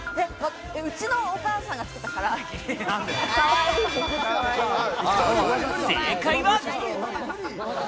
うちのお母さんが作ったから正解は。